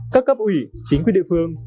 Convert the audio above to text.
các cấp ủy chính quyền địa phương